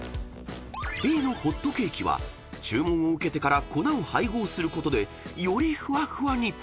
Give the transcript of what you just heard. ［Ｂのホットケーキは注文を受けてから粉を配合することでよりふわふわに］